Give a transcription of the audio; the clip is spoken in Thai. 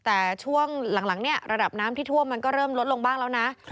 แต่ช่วงหลังเนี่ยระดับน้ำที่ท่วมมันก็เริ่มลดลงบ้างแล้วนะ